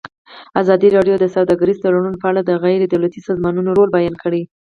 ازادي راډیو د سوداګریز تړونونه په اړه د غیر دولتي سازمانونو رول بیان کړی.